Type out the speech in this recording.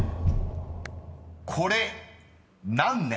［これ何年？］